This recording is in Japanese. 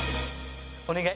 お願い。